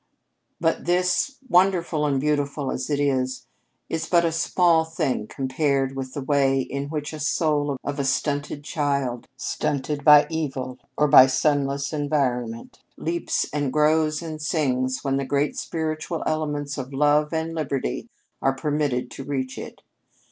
But this, wonderful and beautiful as it is, is but a small thing compared with the way in which the soul of a stunted child stunted by evil or by sunless environment leaps and grows and sings when the great spiritual elements of love and liberty are permitted to reach it.